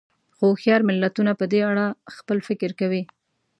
خو هوښیار ملتونه په دې اړه خپل فکر کوي.